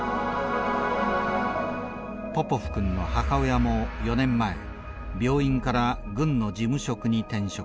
ポポフ君の母親も４年前病院から軍の事務職に転職。